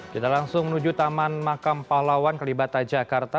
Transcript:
kita langsung menuju taman makam pahlawan kelibatan jakarta